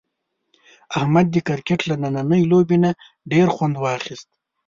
احمد د کرکټ له نننۍ لوبې نه ډېر خوند واخیست.